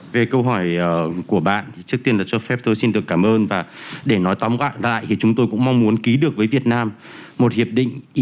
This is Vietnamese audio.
về câu hỏi của bạn trước tiên là cho phép tôi xin được cảm ơn và để nói tóm gọn lại thì chúng tôi cũng mong muốn ký được với việt nam một hiệp định